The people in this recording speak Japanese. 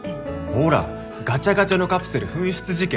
ほらガチャガチャのカプセル紛失事件。